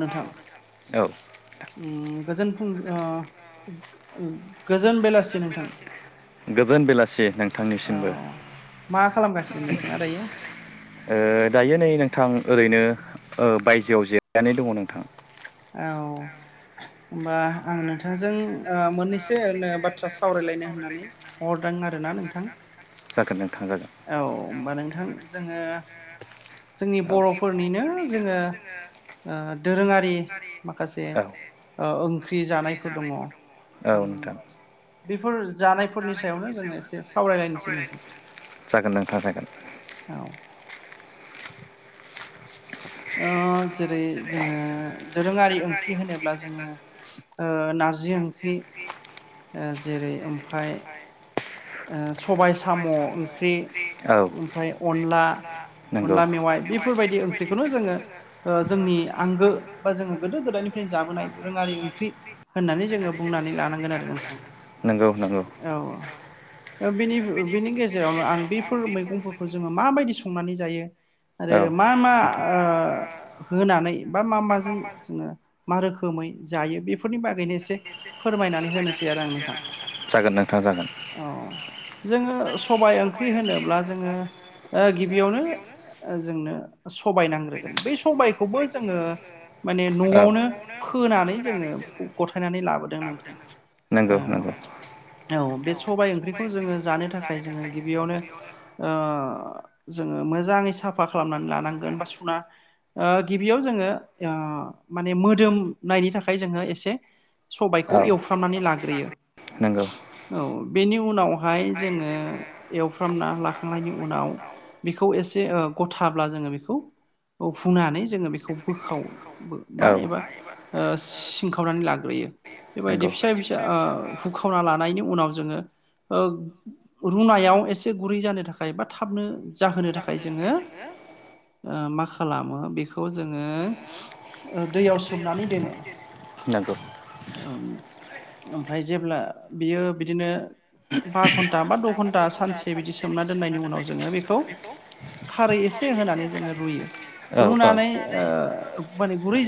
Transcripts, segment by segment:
नोंथां उम गोजोन अ‌ उम गोजोन बेलासि नोंथांनिसिमबो मा खालामगासिनो नोंथाङा दायो? ओ दायो नै नोंथां ओरैनो बायजोआव जिरायनानै दङ नोंथां। औ होमबा आं नोंथांजों मोननैसो बाथ्रा सावरायलायनो होननानै हर रां आरोना नोंथां औ होमबा नोंथां जोङो जोंनि बर'फोरनिनो जोङो दोरोङारि माखासे ओंख्रि जानायफोर दङ बेफोर जानायफोरनि सायावनो जोङो एसे सावरायलायनोसै नोंथां। जागोन नोंथा जागोन। औ। ओ जेरै जोङो दोरोङारि ओंख्रि होनोब्ला जोङो नारजि ओंख्रि जेरै ओमफाय सबाय साम' ओंख्रि ओमफ्राय अनला अनला मेवाइ बेफोरबायदि ओंख्रिखौनो जोङो जोंनि आंगो बा जोङो गोदो गोदायनिफ्रायनो जाबोनाय दोरोङारि ओंख्रि होननानै जोङो बुंनानै लानांगोन आरो नोंथां औ औ। बिनि बिनि गेजेरावनो आं बेफोर मैगंफोरखौ जोङो माबायदि संनानै जायो। आरो मा मा होनानै बा मा माजों जोङो मा रोखोमै जायो बेफोरनि बाग नो एसे फोरमायनानै होनोसै आरो आं नोंथां औ जोङो सबाय ओंख्रि होनोब्ला जोङो गिबियावनो जोंनो सबाय नांग्रोगोन बे सबायखौबो जोङो माने न'आवनो फोनानै जोङो बेखौ गथायनानै लाबोदों नोंथां ओ औ। सबायाइ ओंख्रिखौ जोङो जानो थाखाय जोङो गिबियावनो जोङो मोजाङै साफा खालामनानै लानांगोन बा सुना गिबियाव जोङो माने मोदोमनायनि थाखाय जोङो एसे सबायखौ एवफ्रामनानै लाग्रोयो औ उनावहाय जोङो एवफ्रामना लाखांनायनि उनाव बेखौ एसे गथाब्ला जों बेखौ फुनानै जोङो बेखौ बोखाव मा एबा सिनखावनानै लाग्रोयो। बेबायदि फिसा फिसा हुखावना लानायनि उनाव जोङो रुनायाव एसे गुरै जानो थाखाय बा थाबनो जाहोनो थाखाय जोङो मा खालामो बेखौ जोङो दैयाव सोमनानै दोनो। ओमफ्राय जेब्ला बियो बिदिनो बा घन्टा बा द' घन्टा सानसे बिदि सोमना दोननायनि उनाव जोङो बेखौ खारै से होनानै जोङो रुयो रुनानै ओ माने गुरै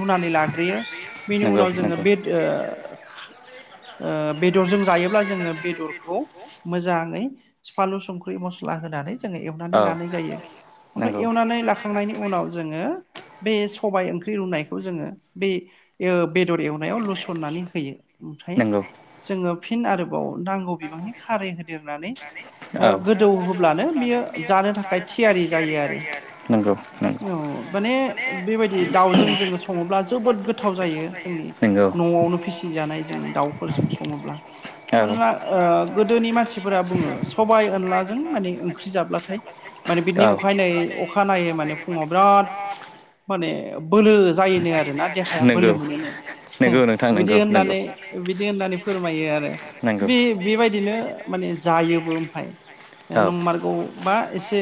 रुनानै लाग्रोयो बेनि उनाव जोङो बे बेदरजों जायोब्ला जोंओ बेदरखौ मोजाङै फानलु संख्रि मस्ला होनानै जोङो एवनानै लानाय जायो। ओमफ्राय एवनानै लाखांनायनि उनाव जोङो बे सबाय ओंख्रि ख्रि रुनायखौ जोङो बे ओ बेदर एवनायाव लुसननानै होयो ओमफ्राय जोङो फिन आरो नांगौ बिबांनि खारै होदेरनानै ओ गोदौ होब्लानो बियो जानो थाखाय थियारि जायो आरो माने बेबायदि दाउजों जोङो सङोब्ला जोबोद जोबोद गोथाव जायो जोंनि न'आवनो फिसिजानाय जों दाउफोरजों सङोब्ला औ ओ बिनि अखाय नै अखानायनायै माने फुङाव बिराद माने बोलो जायोनो आरोना देहाया बोलो मोनोनो बिदि होननानै बिदि होननानै फोरमायो आरो बे बेबायदिनो माने जायोबो ओमफ्राय नंमारगावबा एसे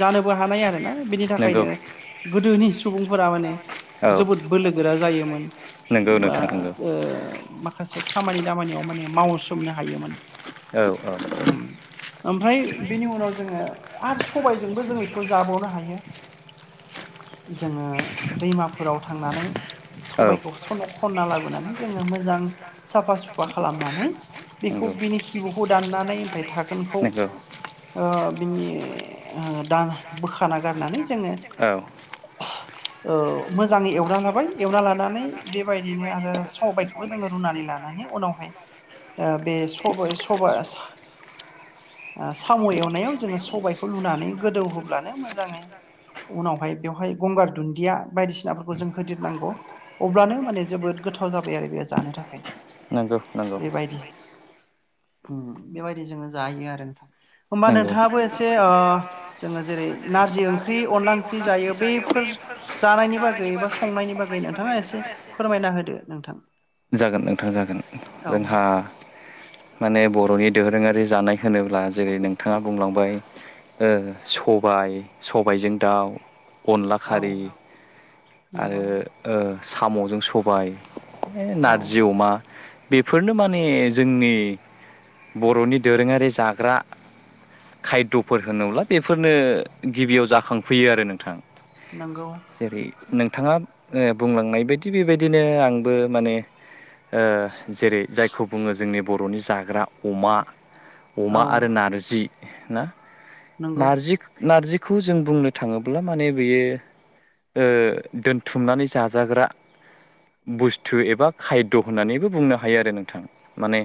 जानो बो हानाय आरोना बिनि थाखायनो गोदोनि सुबुंफोरा माने जोबोद बोलो गोरा जायोमोन बा जो माखासे खामानि दामानियाव माने मावसोमनो हायोमोन उम ओमफ्राय बेनि उनाव जोङो आरो सबायजोंबो जों बेखौ जाबावनो हायो जोङो दैमा फोराव थांनानै सबायखौ सन' खनना लाबोनानै जोङो मोजां साफा सुफा खालामनानै बेखौ बिनि सिब'खौ दाननानै ओमफ्राय थागोनखौ ओ बिनि दा बोखाना गारनानै जोङो ओ मोजाङै एव ना लाबाय एवना लानानै बेबायदिनो आरो सबायखौबो जोङो रुनानै लानानै उनावहाय बे सबो-सब-सा साम' एवनायाव जोङो सबायाइखौ लुनानै गोदौ होब्लानो मोजाङै उनावहाय बेवहाय गंगार दुन्दिया बायदिसिनाफोरखौ जों होदेरनांगौ अब्लानो माने जोबोद गोथाव जाबाय आरो बेयो जानो थाखाय नंगौ नंगौ बेबायदि जोङो जायो आरो नोंथां होमबा नोंथाङाबो एसे ओ जोङो जेरै नारजि ओंख्रि अनला ओंख्रि जायो बे फोर जानायनि बागै बबा संनायनि बागै नोंथाङा एसे फोरमायना होदो नोंथां जागोन नोंथां जागोन जोंहा माने बर'नि दोरोङारि जानाय होनोब्ला जेरै नों नोंथाङा बुंलांबाय ओ सबाय सबायजों दाउ अनला खारि आरो ओ साम'जों सबाय नारजि अमा बेफोरनो माने जोंनि बर'नि दोरोङारि जाग्रा खायद'फोर होनोब्ला बेफोरनो गिबियाव जाखांफैयो आरो नोंथां जेरै नों नोंथाङा बुंलांनाय बायदि बेबायदिनो आंबो माने ओ जेरै जायखौ बुङो जोंनि बर'नि जाग्रा अमा अमा आरो नारजि ना नारजि नारजि खौ जों बुंनो थाङोब्ला माने बेयो ओ दोनथुमनानै जाजाग्रा बुस्थु एबा खायद' होननानैबो बुंनो हायो आरो नोंथां माने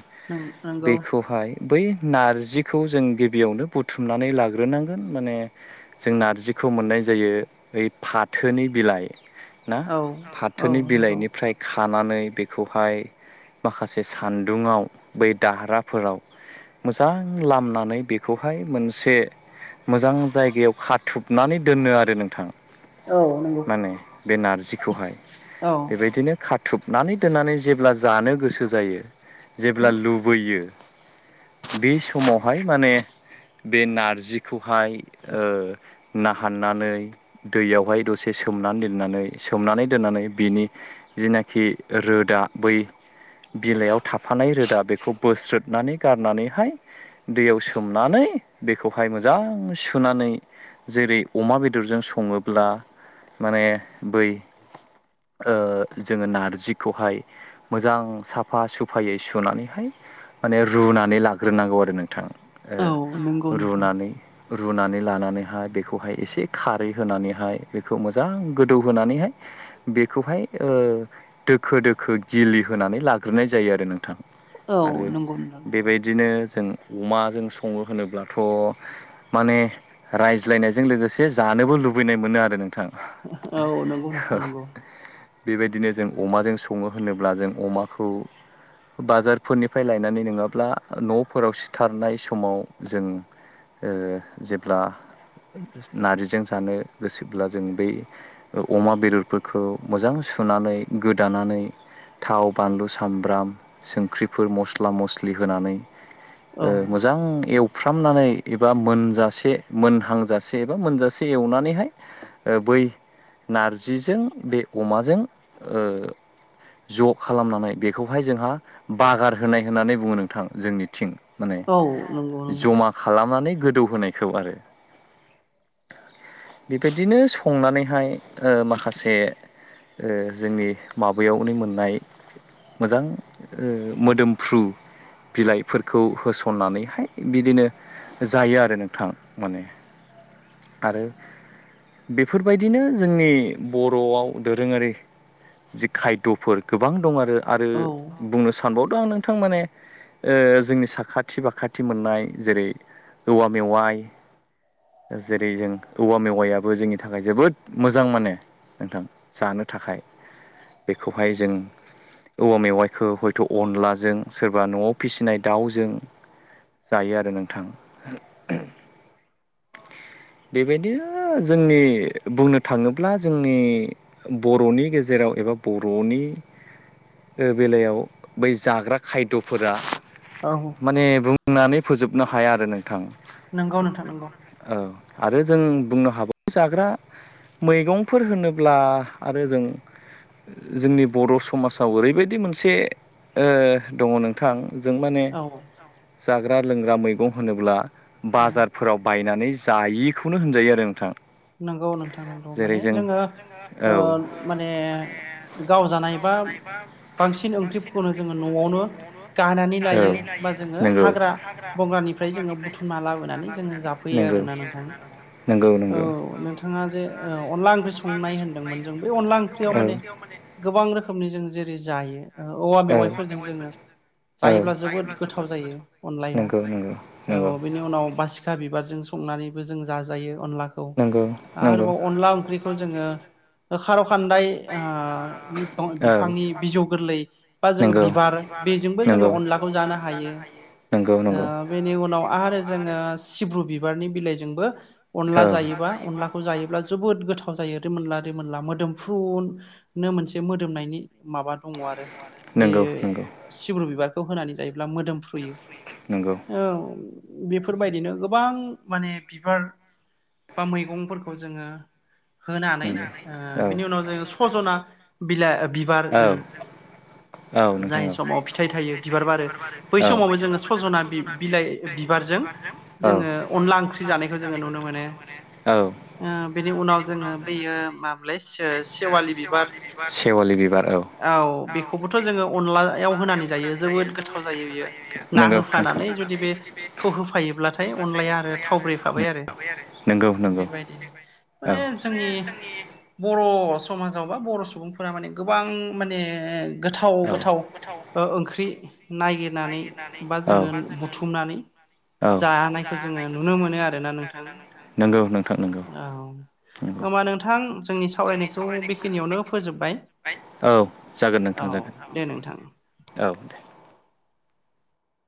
बेखौहाय बै नारजिखौ जों बेयावनो बुथुमनानै लाग्रोनांगोन माने जों नारजिखौ मोननाय जायो ओइ फाथ थोनि बिलाइ ना फाथोनि बिलाइनिफ्राय खानानै बेखौहाय माखासे सान्दुङाव बै दाहाराफोराव मोजां लामनानै बेखौहाय मोनसे मोजां जायगायाव खाथुबनानै दोनो आरो नोंथां माने बे नारजिखौहाय बेबायदिनो खाथ्रुबनानै दोननानै जेब्ला जानो गोसो जायो जेब्ला लुबैयो बे समावहाय माने बे नारजिखौ हाय ओ ना हाननानै दैयावहाय दसे सोमनानै दोननानै सोमनानै दोननानै बिनि जिनाखि रोदा बै। बिलाइयाव थाफानाय रोदा बेखौ बोस्रोदनानै गारनानैहाय दैयाव सो सोमनानै बेखौहाय मोजां सुनानै जेरै अमा बेदरजों सङोब्ला माने बै ओ जोङो नारजिखौहाय मोजां साफा सुफायै सुनानैहाय माने रुनानै लाग्रोनांगौ आरो नोंथां ओ रुनानै। रुनानै लानानैहाय बेखौहाय एसे खारै होनानैहाय बेखौ मोजां गोदौहोनानैहाय बेखौहाय ओ दोखो दोखो गिलि होनानै लाग्रोनाय जायो आरो नोंथां। आरो बेबायदिनो जों अमाज जों सङो होनोब्लाथ' माने रायज्लायनायजों लोगोसे जानोबो लुबैनाय मोनो आरो नोंथां। औ नंगौ नोंथ नंगौ। बेबायदिनो जों अमाजों सङो होनोब्ला जों अमाखौ बाजारफोरनिफ्राय लायनानै नङाब्ला न'फोराव सिथारनाय समाव जों जेब्ला। नारजिजों जानो गोसोब्ला जों बै अमा बेदरफोरखौ मोजां सुनानै गोदानानै थाव बानलु सामब्राम संख्रिफोर मस्ला मस्लि होनानै औ। बां एवफ्रामनानै एबा मोनजासे मोनहांजासे एबा मोनजासे एवनानैहाय ओ बै नारजिजों बे अमाजों ओ ज' खालामनानै बेखौहाय जोंहा बागार होनाय होननानै बुङो नोंथां जोंनिथिं माने जमा खालामनानै गोदौ होनोनायखौ आरो। [inaudible] बेबायदिनो संनानैहाय ओ माखासे। ओ जोंनि माबायावनो मोननाय मोजां ओ मोदोमफ्रु बिलाइफोरखौ होस सननानैहाय बिदिनो जायो आरो नोंथां माने। आरो बेफोरबायदिनो जोंनि बर'आव दोरोङारि। जि खायद'फोर गोबां दं आरो आरो बुंनो सानबावदों आं नोंथां माने ओ जोंनि साखा थि बाखाथि मोननाय जेरै औवा मेवाइ जेरै जों औवा मेवायाबो जोंनि थाखाय जोबोद मोजां माने। नोंथां जानो थाखाय बेखौहाय जों। औवा मेवाइखौ हयथ' अनलाजों सोरबा न'आव फिसिनाय दाउजों। जायो आरो नोंथां। [inaudible] बेबायदि जोंनि बुंनो थाङोब्ला जोंनि बर'नि गेजेराव बा बर'नि ओ बेलायाव बै जाग्रा खायद'फोरा माने बुंनानै फोजोबनो हाया आरो नोंथां। नोंगौ नोंथां नंगौ। आरो जों बुंनो हाबाव जाग्रा मैगंफोर होनोब्ला आरो जों जोंनि बर' समाजाव ओरैबायदि मोनसे ओ दङ नोंथां। जों माने। जाग्रा लोंग्रा मैगं होनोब्ला बाजारफोराव बाय होननानै जायिखौनो होनजायो आरो नोंथां। नंगौ नोंथां नोंगौ माने जोङो ओ माने गाव जानाय बा बांसिन ओंख्रिफोरखौनो जोङो न'आवनो औ नंगौ [inaudible] नंगौ। नंगौ। औ नोंथाङा जे अनला ओंख्रि संनाय होनदोंमोन जों बे अनला ओंख्रियाव माने गोबां रोखोमनि जों जेरै जायो। औवा मेवाइफोरजों जोङो जायोब्ला जोबोद गोथाव जायो अनलाया औ बिनि उनाव बासिखा बिबारजों संनानैबो जों जाजायो अनला खौ आरोबाव अनला ओंख्रिखौ जोङो खार' खान्दाय ओ [unintelligible] बिफांनि बिजौ गोरलै बा जोङो बिबार बेजोंबो जोङो अनलाखौ जानो हायो। ओ बेनि उनाव आरो जोङो सिब्रु बिबारनि बिलाइजोंबो जायोबा अनलाखौ जायोब्ला जोबोद गोथाव। जायो रिमोनला रिमोनला मोदोमफ्रुनो मोनसे मोदोमनायनि माबा दङ आरो बे सिब्रु बिबारखौ होनानै जायोबा। मोदोमफ्रुयो औ। बेफोरबायदिनो गोबां माने बिबार बा मैगंफोरखौ जोङो होनानै ओ बिनि उनाव जोङो सजना बिलाइ बिबार जों जाय समाव फिथाइ थायो बिबार बारो बै समावबो जोङो सजना बि-बिलाइ बिबारजों जोङो अनला ओंख्रि जानायखौ जोङो नुनो मोनो। ओ बेनि उनाव जोङो बेयो माबा [unintelligible] सेवालि बिबार औ बेखौबोथ' जोङो अनलायाव होनानै जायो जोबोद गोथाव जायो बियो ना होफानानै जुदि बे खौ होफायोब्लाथाय अनलाया आरो थावब्रेखाबाय आरो। बेबायदिनो माने जोंनि बर' बर' समाजाव बा बर' सुबुंफोरा माने गोबां माने गोथाव गोथाव ओंख्रि। नायगिरनानै बा जोङो बुथुमनानै। जानायखौ जोङो नुनो मोनो आरोना नोंथां। औ होमबा नोंथां जोंनि सावरायनायखौ बेखिनियावनो फोजोबबाय। औ जागोन नोंथां जागोन औ दे।